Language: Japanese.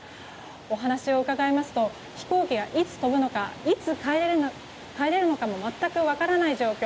お話を伺いますと飛行機がいつ飛ぶのかいつ帰れるのかも全く分からない状況。